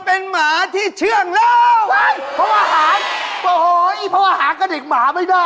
เพราะหากระดิกหมาไม่ได้